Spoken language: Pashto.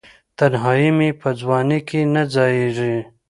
تنهایې مې په ځوانۍ کې نه ځائیږې